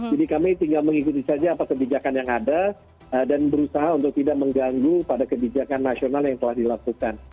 jadi kami tinggal mengikuti saja apa kebijakan yang ada dan berusaha untuk tidak mengganggu pada kebijakan nasional yang telah dilakukan